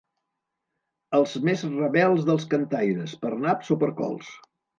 Els més rebels dels cantaires, per naps o per cols.